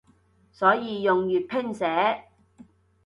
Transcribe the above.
所以用粵拼寫